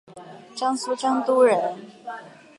江苏江都人。